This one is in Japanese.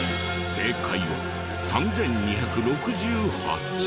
正解は３２６８。